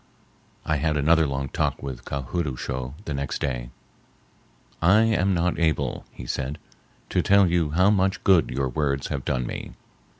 I had another long talk with Ka hood oo shough the next day. "I am not able," he said, "to tell you how much good your words have done me.